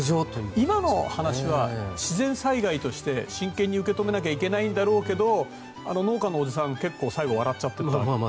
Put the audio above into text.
今の話は自然災害として真剣に受け止めなきゃいけないんだろうけど農家のおじさん最後笑っちゃってて。